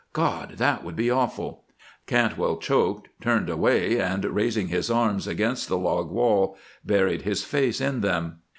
God! That would be awful " Cantwell choked, turned away, and, raising his arms against the log wall, buried his face in them.